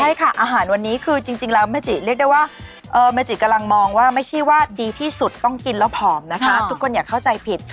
ใช่ค่ะอาหารวันนี้คือจริงแล้วแม่จิเรียกได้ว่าเมจิกำลังมองว่าไม่ใช่ว่าดีที่สุดต้องกินแล้วผอมนะคะทุกคนอย่าเข้าใจผิด